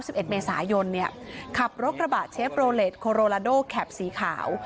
สิบเอ็ดเมษายนเนี่ยขับรถกระบะเชฟโรเลสโคโรลาโดแคปสีขาว